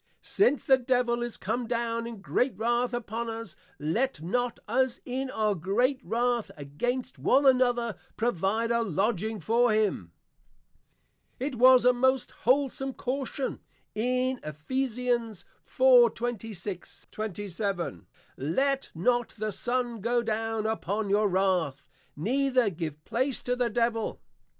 _ Since the Devil is come down in great wrath upon us, let not us in our great wrath against one another provide a Lodging for him. It was a most wholesome caution, in Eph. 4.26, 27. _Let not the Sun go down upon your wrath: Neither give place to the Devil.